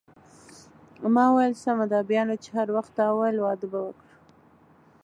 ما وویل: سمه ده، بیا نو چې هر وخت تا وویل واده به وکړو.